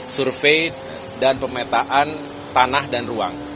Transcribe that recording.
survei dan pemetaan tanah dan ruang